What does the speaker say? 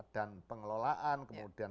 dan pengelolaan kemudian